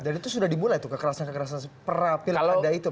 dan itu sudah dimulai tuh kekerasan kekerasan pra pilkada itu